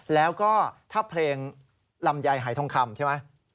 แล้วก็ถ้าเพลงลำไยหายทองคำใช่ไหม